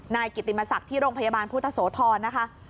นายกิติมศักดิ์ที่โรงพยาบาลพุทธโสธรนะคะ